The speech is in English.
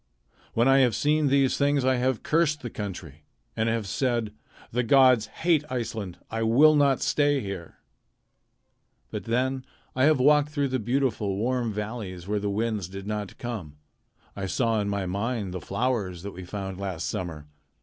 When I have seen these things I have cursed the country, and have said: 'The gods hate Iceland. I will not stay here.' But then I have walked through beautiful warm valleys where the winds did not come. I saw in my mind the flowers that we found last summer.